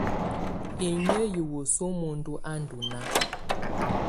Inyə yɛ wəsu muəndu a ndɔ náa.